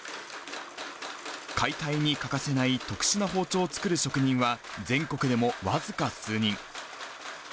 解体に欠かせない特殊な包丁を作る職人は、全国でも僅か数人。